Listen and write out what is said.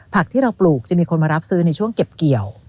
ผักที่เราปลูกจะมีคนมารับซื้อในช่วงเก็บเกี่ยว